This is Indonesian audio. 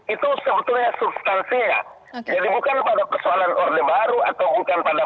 itu sebetulnya substansinya jadi bukan pada persoalan orde baru atau bukan pada